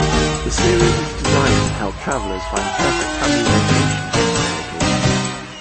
The series is designed to help travelers find perfect family vacation getaway locations.